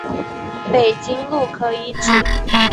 北京路可以指